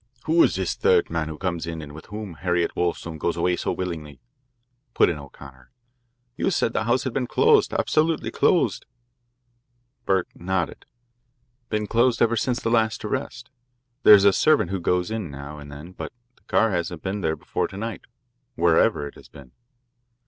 "Who is this third man who comes in and with whom Harriet Wollstone goes away so willingly?" put in O'Connor. "You said the house had been closed absolutely closed?" Burke nodded. "Been closed ever since the last arrest. There's a servant who goes in now and then, but the car hasn't been there before to night, wherever it has been."